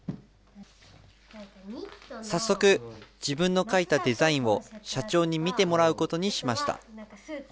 早速、自分の描いたデザインを社長に見てもらうことにしました。